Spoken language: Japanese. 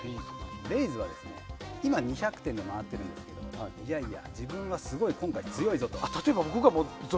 レイズは今２００点で回っているのがいやいや自分はすごい今回強いぞと。